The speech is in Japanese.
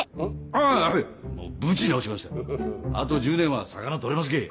あと１０年は魚取れますけぇ。